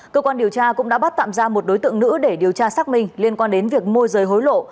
cơ quan điều tra cũng đã bắt tạm ra một đối tượng nữ để điều tra xác minh liên quan đến việc môi rời hối lộ